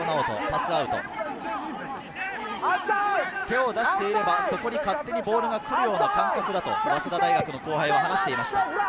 手を出していればそこに勝手にボールが来るような感覚だと、早稲田大学の後輩は話していました。